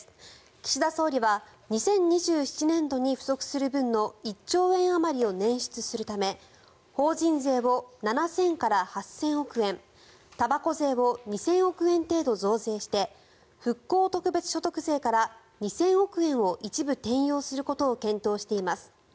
岸田総理は２０２７年度に不足する分の１兆円あまりを捻出するため法人税を７０００から８０００億円たばこ税を２０００億円程度増税して復興特別所得税から２０００億円を一部転用することを検討しています。